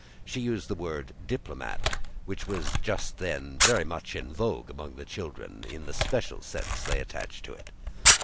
(She used the word "diplomat," which was just then much in vogue among the children, in the special sense they attached to it.)